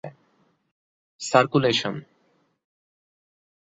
circulation